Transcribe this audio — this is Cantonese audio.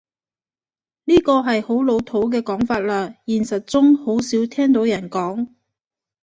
呢個係好老土嘅講法喇，現實中好少聽到人講